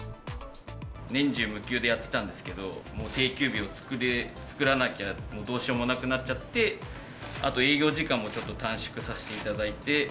年中無休でやってたんですけれども、もう定休日を作らなきゃどうしようもなくなっちゃって、あと、営業時間もちょっと短縮させていただいて。